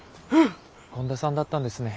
権田さんだったんですね。